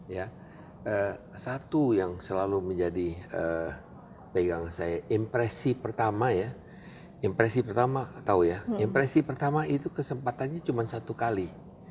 ya satu yang selalu menjadi pegang saya impresi pertama ya impresi pertama tahu ya impresi pertama itu kesempatannya cuma satu kali